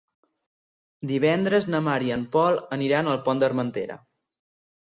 Divendres na Mar i en Pol aniran al Pont d'Armentera.